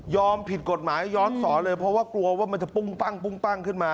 ผิดกฎหมายย้อนสอนเลยเพราะว่ากลัวว่ามันจะปุ้งปั้งขึ้นมา